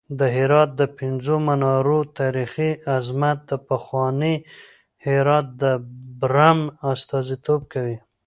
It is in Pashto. د هرات د پنځو منارونو تاریخي عظمت د پخواني هرات د برم استازیتوب کوي.